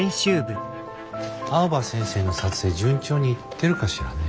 青葉先生の撮影順調にいってるかしらね。